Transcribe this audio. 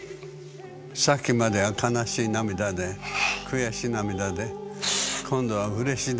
さっきまでは悲しい涙で悔し涙で今度はうれし涙。